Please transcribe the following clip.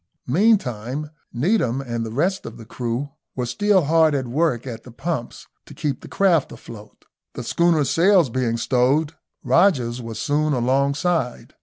Meantime Needham and the rest of the crew were still hard at work at the pumps, to keep the craft afloat. The schooner's sails being stowed, Rogers was soon alongside.